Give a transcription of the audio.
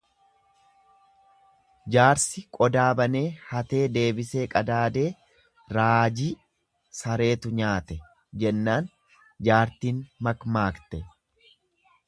"Jaarsi qodaa banee hatee deebisee qadaadee ""raajii!, sareetu nyaate"" jennaan jaartiin makmaakte."